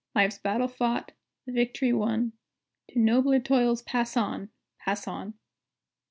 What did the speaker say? Life's battle fought, the victory won, To nobler toils pass on! pass on!